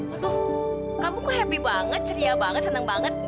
aduh kamu kok happy banget ceria banget senang banget